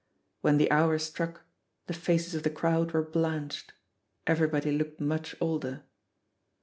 When the hour struck, the faces of the crowd were blanched; everybody looked much older.